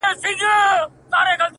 چي په اغزیو د جنون دي نازولی یمه-